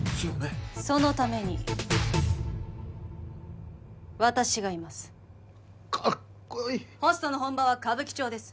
そのために私がいますカッコいいホストの本場は歌舞伎町です